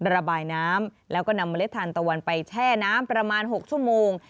ระบายน้ำแล้วก็นำเมล็ดทานตะวันไปแช่น้ำประมาณ๖ชั่วโมง